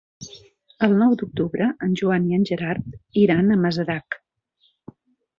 El nou d'octubre en Joan i en Gerard iran a Masarac.